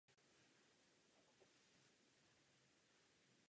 Brzy po získání zámku provedlo biskupství jeho přestavbu do barokní podoby.